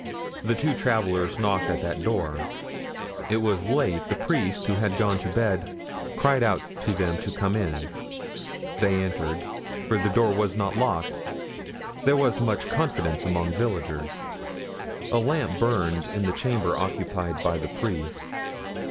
"The two travelers knocked at the door. It was late; the priest, who had gone to bed, cried out to them to come in. They entered, for the door was not locked—there is much confidence among villagers. A lamp burned in the chamber occupied by the priest.